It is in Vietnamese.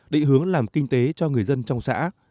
định hướng làm kinh tế cho người dân trong xã